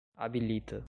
habilita